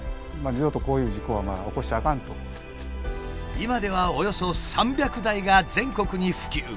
今ではおよそ３００台が全国に普及。